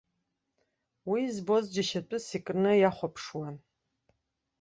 Уи збоз џьашьатәыс икны иахәаԥшуан.